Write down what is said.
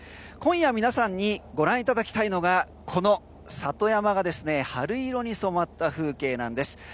今夜、皆さんにご覧いただきたいのがこの里山が春色に染まった風景なんです。